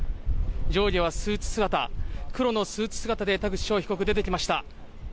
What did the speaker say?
上下は黒のスーツ姿で田口翔被告、出てきました。